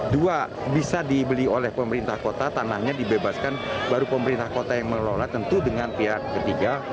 dua bisa dibeli oleh pemerintah kota tanahnya dibebaskan baru pemerintah kota yang mengelola tentu dengan pihak ketiga